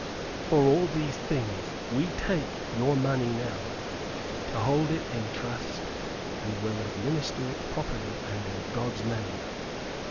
For all these things we take your money now, to hold it in trust and will administer it properly and in God's name.